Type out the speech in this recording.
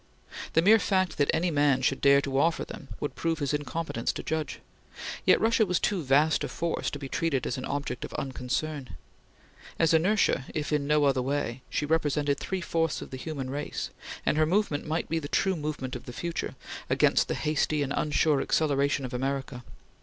The mere fact that any man should dare to offer them would prove his incompetence to judge. Yet Russia was too vast a force to be treated as an object of unconcern. As inertia, if in no other way, she represented three fourths of the human race, and her movement might be the true movement of the future, against the hasty and unsure acceleration of America.